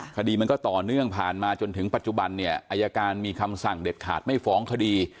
คดีมันก็ต่อเนื่องผ่านมาจนถึงปัจจุบันเนี่ยอายการมีคำสั่งเด็ดขาดไม่ฟ้องคดี